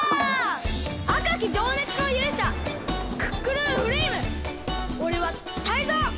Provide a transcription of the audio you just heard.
あかきじょうねつのゆうしゃクックルンフレイムおれはタイゾウ！